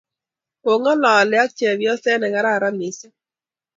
kongalale ak chepyose ne kararan mising